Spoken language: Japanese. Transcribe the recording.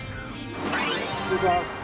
失礼します。